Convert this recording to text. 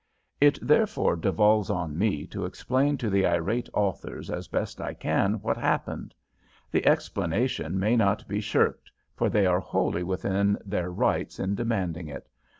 It therefore devolves on me to explain to the irate authors as best I can what happened. The explanation may not be shirked, for they are wholly within their rights in demanding it.